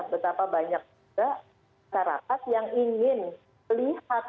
betapa banyak searakat yang ingin lihat